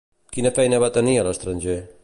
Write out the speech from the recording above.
Quina feina va tenir a l'estranger?